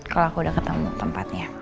kalau aku udah ketemu tempatnya